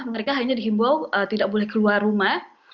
mereka hanya dihimbau tidak boleh keluar rumah